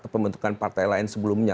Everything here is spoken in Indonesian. pembentukan partai lain sebelumnya